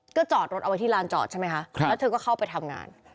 ก็จอดรถเอาไว้ที่ลานจอดใช่ไหมคะแล้วเธอก็เข้าไปทำงาน